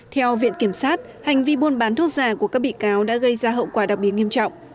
theo viện kiểm sát hành vi buôn bán thuốc giả của các bị cáo đã gây ra hậu quả đặc biệt nghiêm trọng